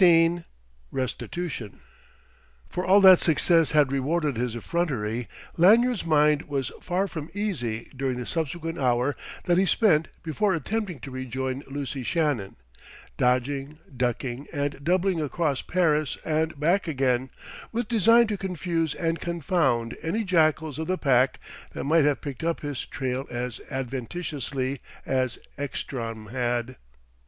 XVI RESTITUTION For all that success had rewarded his effrontery, Lanyard's mind was far from easy during the subsequent hour that he spent before attempting to rejoin Lucy Shannon, dodging, ducking and doubling across Paris and back again, with design to confuse and confound any jackals of the Pack that might have picked up his trail as adventitiously as Ekstrom had.